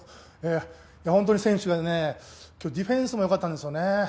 本当に選手が、今日ディフェンスもよかったんですよね。